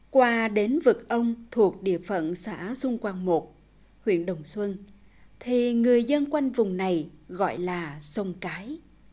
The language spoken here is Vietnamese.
qua đến vực ông thuộc địa phận xã xuân quang một huyện đồng xuân thì người dân quanh vùng này gọi là sông cái